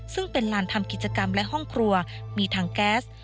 ซึ่งเป็นลานทำกิจกรรมและห้องครัวมีถังแก๊ส